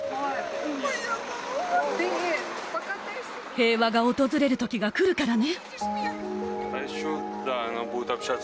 平和が訪れるときが来るからね。